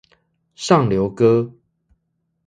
上流哥